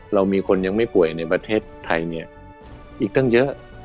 เรามีคนยังไม่ป่วยในประเทศไทยเนี่ยอีกตั้งเยอะ